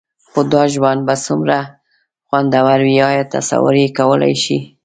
خو دا ژوند به څومره خوندور وي؟ ایا تصور یې کولای شئ؟